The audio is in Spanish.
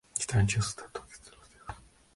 no hubieron partido